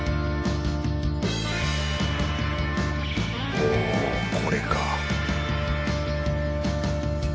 おぉこれか